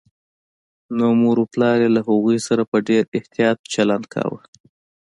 نو مور و پلار يې له هغوی سره په ډېر احتياط چلند کوي